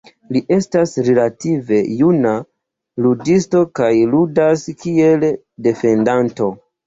Li estas relative juna ludisto kaj ludas kiel defendanto.